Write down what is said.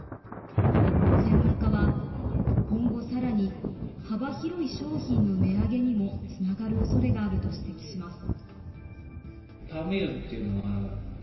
専門家は、今後さらに幅広い商品の値上げにもつながるおそれがあると指摘します。